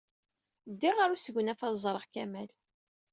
Ddiɣ ɣer usegnaf ad d-ẓreɣ Kamal.